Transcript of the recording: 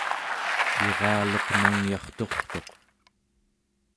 iraluq nangyarturtuq